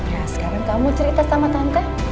nah sekarang kamu cerita sama tante